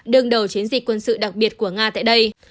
đương đầu chiến dịch quân sự đặc biệt của nga tại đây